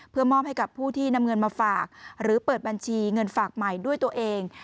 เพื่อมอบให้กับผู้ที่นำเงินมาฝากหรือเปิดบัญชีเงินฝากใหม่ด้วยตัวเอง